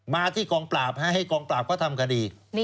มาที่กองปราบให้กองปราบเขาทำคดี